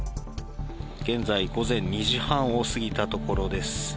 現在、午前２時半を過ぎたところです。